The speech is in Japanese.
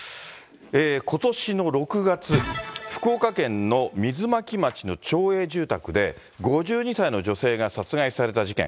ことしの６月、福岡県の水巻町の町営住宅で、５２歳の女性が殺害された事件。